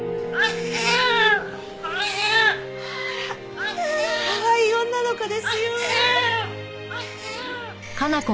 ほらかわいい女の子ですよ。